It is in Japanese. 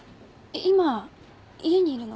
今家にいるの？